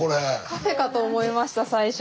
カフェかと思いました最初。